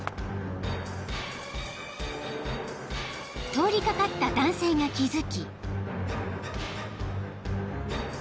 ［通り掛かった男性が気付き］